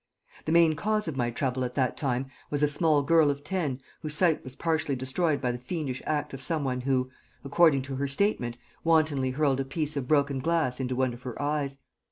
The main cause of my trouble at that time was a small girl of ten whose sight was partially destroyed by the fiendish act of some one who, according to her statement, wantonly hurled a piece of broken glass into one of her eyes.